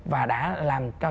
và đã làm cho chứng khoán